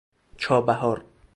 چابهار